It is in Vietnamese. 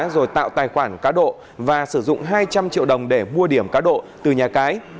rồi tạo tài khoản cá độ và sử dụng hai trăm linh triệu đồng để mua điểm cá độ từ nhà cái